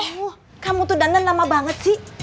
oh kamu tuh dandan lama banget sih